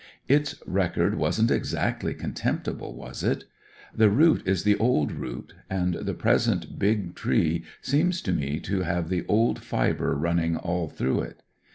Its record wasn't exactly contemptible, was it ? The root is the old root, and the present big tree seems to me to have the old fibre running all through it.